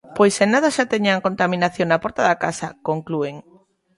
Pois en nada xa teñen a contaminación na porta da casa, conclúen.